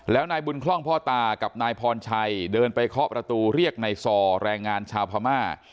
แล้วนายบุญคล่องพ่อตากับนายพรชัยเดินไปเคาะประตูเรียกนายซอแรงงานชาวพม่า